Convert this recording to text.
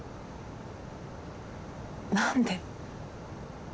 「何で？」